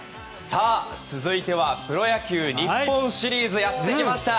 続いてはプロ野球日本シリーズやってきました。